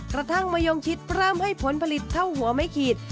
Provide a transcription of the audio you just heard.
กระทั่งมะยงชิดเพิ่มให้ผลผลิตเท่าหัวไม่ขีด